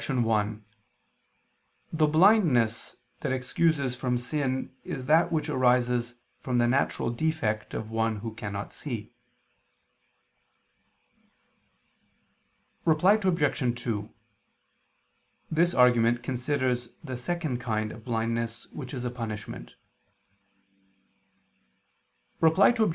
1: The blindness that excuses from sin is that which arises from the natural defect of one who cannot see. Reply Obj. 2: This argument considers the second kind of blindness which is a punishment. Reply Obj.